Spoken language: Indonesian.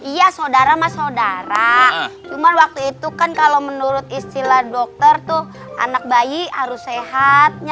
iya saudara mas saudara cuman waktu itu kan kalau menurut istilah dokter tuh anak bayi harus sehat